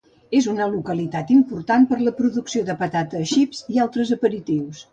És una localitat important per la producció de patates xips i altres aperitius.